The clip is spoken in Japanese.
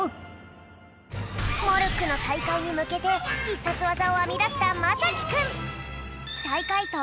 モルックのたいかいにむけてひっさつわざをあみだしたまさきくん。